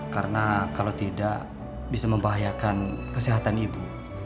karena kalau tidak bisa membahayakan kesehatan ibu